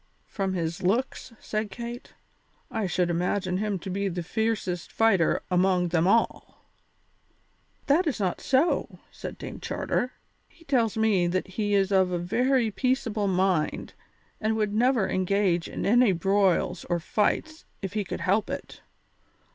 "From his looks," said Kate, "I should imagine him to be the fiercest fighter among them all." "But that is not so," said Dame Charter; "he tells me that he is of a very peaceable mind and would never engage in any broils or fights if he could help it.